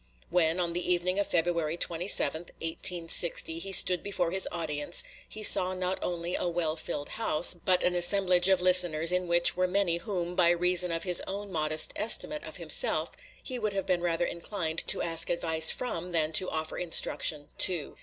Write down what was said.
When, on the evening of February 27, 1860, he stood before his audience, he saw not only a well filled house, but an assemblage of listeners in which were many whom, by reason of his own modest estimate of himself, he would have been rather inclined to ask advice from than to offer instruction to.